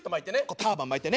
ターバン巻いてね。